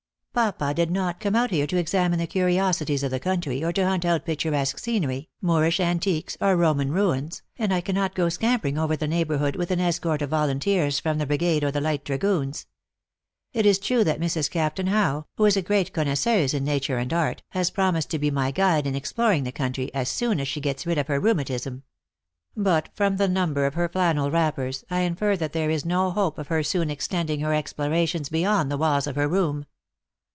Papa did not come out here to examine the curiosities of the coun try, or to hunt out picturesque scenery, Moorish anti THE ACTKESS IN HIGH LIFE. 83 quities, or Roman ruins, and I cannot go scampering over the neighborhood with an escort of volunteers from the brigade or the Light Dragoons. It is true that Mrs. Captain Howe, who is a great connoisseuse in nature and art, has promised to be my guide in ex ploring the country as soon as she gets rid of her rheumatism. But from the number of her flannel wrappers, I infer that there is no hope of her soon extending her explorations beyond the walls of her room."